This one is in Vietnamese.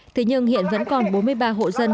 thế nhưng hiện vẫn còn bốn mươi ba hộ dân